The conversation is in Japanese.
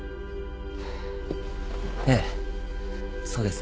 ええそうです。